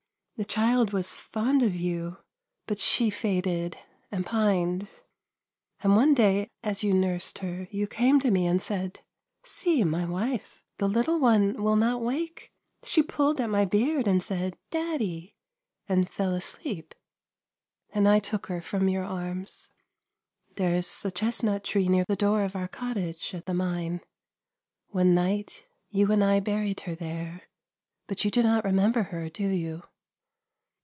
The child was fond of you, but she faded and pined, and one day as you nursed her you came to me and said, ' See, my wife, the little one will not wake. She pulled at my beard and said " Daddy," and fell asleep.' And I took her from your arms ... There is a chestnut iree near the door of our cottage at the mine. One night you and I buried her there ; but you do not remember her, do you?